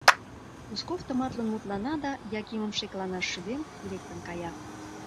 Узков тыматлын мутлана да, Якимым шекланаш шӱден, лектын кая.